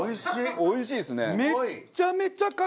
おいしいですね。